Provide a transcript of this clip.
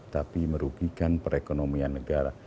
tapi merugikan perekonomian negara